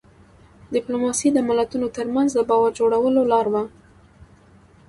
ډيپلوماسي د ملتونو ترمنځ د باور جوړولو لار وه.